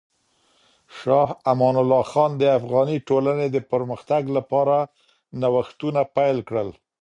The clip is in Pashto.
شاه امان الله خان د افغاني ټولنې د پرمختګ لپاره نوښتونه پیل کړل.